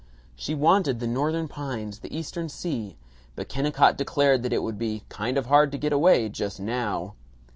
She wanted the Northern pines, the Eastern sea, but Kennicott declared that it would be "kind of hard to get away, just NOW."